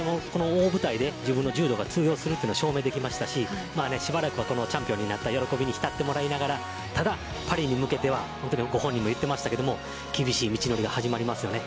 大舞台で自分の柔道が通用するのが証明できたししばらくはチャンピオンになって喜びにひたってもらいながらただ、これからに向けてはご本人も言っていましたが厳しい道のりが始まりますよね。